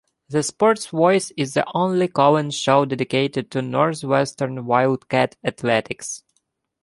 The SportsVoice is the only call-in show dedicated to Northwestern Wildcat Athletics.